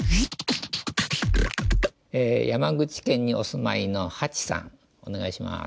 山口県にお住まいのはちさんお願いします。